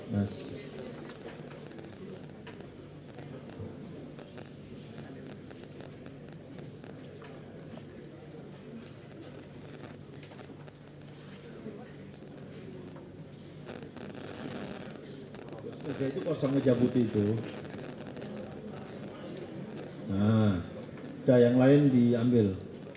nah ini ada yang lain diambil